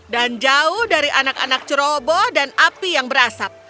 dan jauh dari anak anak ceroboh dan api yang berasap